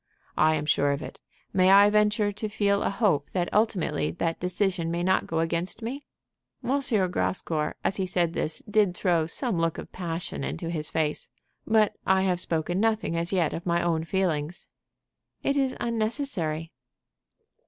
"I am sure of it. May I venture to feel a hope that ultimately that decision may not go against me?" M. Grascour, as he said this, did throw some look of passion into his face. "But I have spoken nothing as yet of my own feelings." "It is unnecessary."